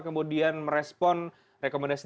kemudian merespon rekomendasi